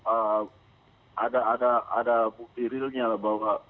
ada bukti realnya bahwa